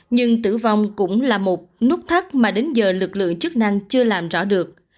nhưng tử vong cũng là một nút thắt mà đến giờ lực lượng chức năng chưa làm rõ được